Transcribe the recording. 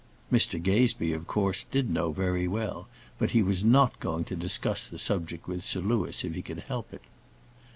Mr Gazebee, of course, did know very well; but he was not going to discuss the subject with Sir Louis, if he could help it.